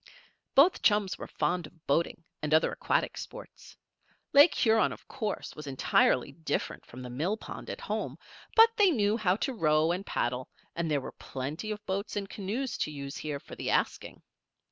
Both chums were fond of boating and other aquatic sports. Lake Huron, of course, was entirely different from the millpond at home; but they knew how to row and paddle, and there were plenty of boats and canoes to use here, for the asking.